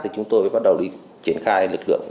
chúng tôi mới bắt đầu đi triển khai lực lượng